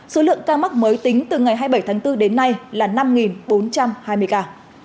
số lượng ca mắc mới tính từ ngày hai mươi bảy tháng bốn đến nay là năm bốn trăm hai mươi ca